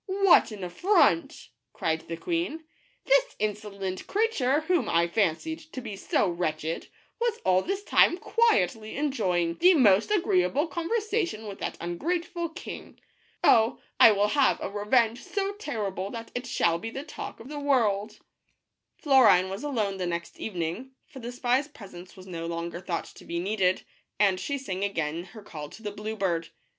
" What an affront!'' cried the queen. "This insolent creature, whom I fancied to be so wretched, was all this time quietly enjoying the most agreeable conversation with that ungrateful king ! Oh, I will have a revenge so terrible that it shall be the talk of the world !" i HE BLUE BIRD. Florine was alone the next evening, for the spy's presence was no longer thought to be needful, and she sang again her call to the blue bird.